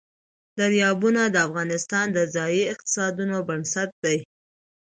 دریابونه د افغانستان د ځایي اقتصادونو بنسټ دی.